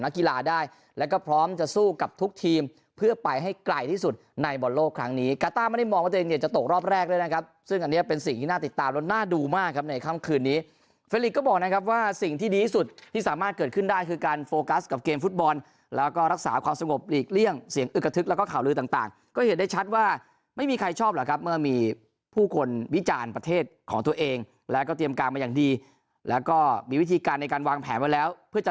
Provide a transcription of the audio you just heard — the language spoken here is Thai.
เฟล็กซ์ก็บอกนะครับว่าสิ่งที่ดีสุดที่สามารถเกิดขึ้นได้คือการโฟกัสกับเกมฟุตบอลแล้วก็รักษาความสงบหลีกเลี่ยงเสียงอึกกระทึกแล้วก็ข่าวลือต่างก็เห็นได้ชัดว่าไม่มีใครชอบหรอกครับเมื่อมีผู้คนวิจารณ์ประเทศของตัวเองแล้วก็เตรียมการมาอย่างดีแล้วก็มีวิธีการในการวางแผนไว้แล้